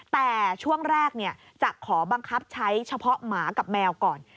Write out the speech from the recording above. แต่ช่วงแรกจะขอบังคับใช้เฉพาะหมากับแมวก่อน